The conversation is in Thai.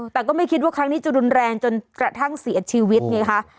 แต่ก็ไม่คิดว่าครั้งนี้จะรุนแรงจนพระท่างเศียร์ชีวิตเนี่ยค่ะ